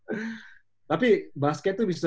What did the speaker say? tapi bola sepak bola itu bisa